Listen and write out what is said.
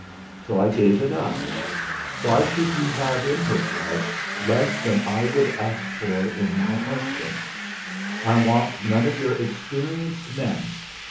So I gave it up. Why should he have in his wife less than I would ask for in my husband? I want none of your experienced men.